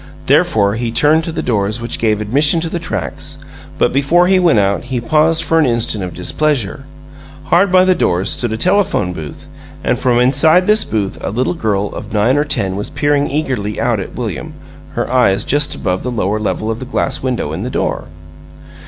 Therefore, he turned to the doors which gave admission to the tracks, but before he went out he paused for an instant of displeasure. Hard by the doors stood a telephone booth, and from inside this booth a little girl of nine or ten was peering eagerly out at William, her eyes just above the lower level of the glass window in the door.